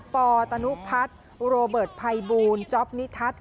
ปตนุพัฒน์โรเบิร์ตภัยบูลจ๊อปนิทัศน์